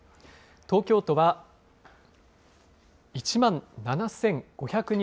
東京都は１万７５２６人。